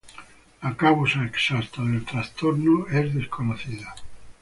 La causa exacta del trastorno es desconocida.